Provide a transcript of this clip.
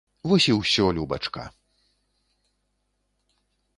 Вось і ўсё, любачка!